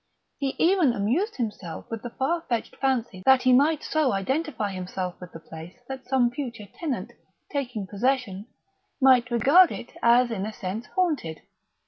He even amused himself with the far fetched fancy that he might so identify himself with the place that some future tenant, taking possession, might regard it as in a sense haunted.